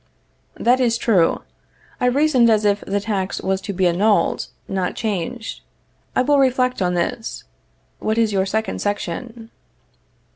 That is true; I reasoned as if the tax was to be annulled, not changed. I will reflect on this. What is your second section?